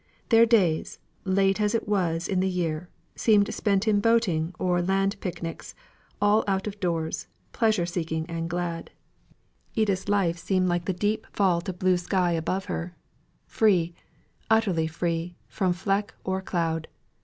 Their days, late as it was in the year, seemed spent in boating or land picnics; all out of doors, pleasure seeking and glad, Edith's life seemed like the deep vault of blue sky above her, free utterly free from fleck or cloud.